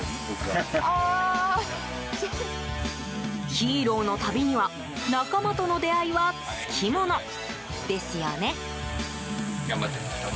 ヒーローの旅には仲間との出会いはつきものですよね。